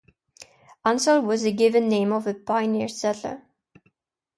Ansel was the given name of a pioneer settler.